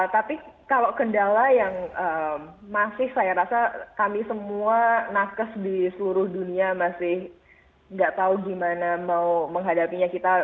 tapi kalau kendala yang masif saya rasa kami semua nakes di seluruh dunia masih nggak tahu gimana mau menghadapinya kita